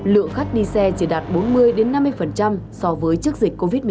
lượng khách đi xe chỉ đạt bốn mươi năm mươi so với trước dịch covid một mươi chín